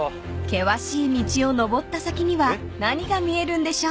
［険しい道を登った先には何が見えるんでしょう］